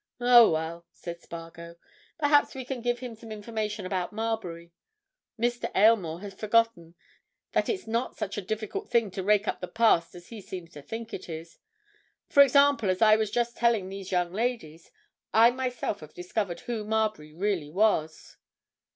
"Oh, well!" said Spargo. "Perhaps we can give him some information about Marbury. Mr. Aylmore has forgotten that it's not such a difficult thing to rake up the past as he seems to think it is. For example, as I was just telling these young ladies, I myself have discovered who Marbury really was."